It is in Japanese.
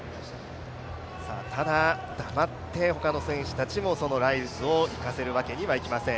ただ、だまって他の選手たちをそのライルズが行かせるわけにはいきません。